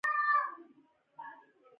هغې د ساحل تر سیوري لاندې د مینې کتاب ولوست.